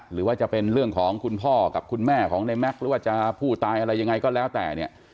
หรือว่าจะเป็นเรื่องของคุณพ่อกับคุณแม่ของในแม็กซ์หรือว่าจะผู้ตายอะไรยังไงก็แล้วแต่เนี่ย